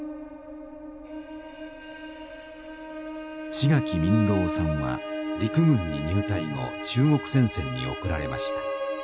志垣民郎さんは陸軍に入隊後中国戦線に送られました。